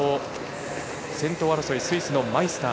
先頭争いスイスのマイスター。